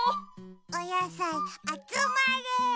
おやさいあつまれ。